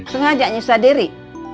sengaja nyusah diri